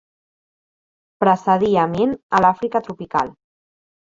Precedí Amin a l'Àfrica tropical.